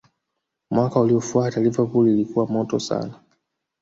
mwaka uliofuata Liverpool ilikuwa moto sana